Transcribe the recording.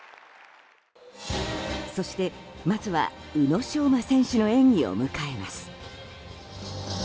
そして、まずは宇野昌磨選手の演技を迎えます。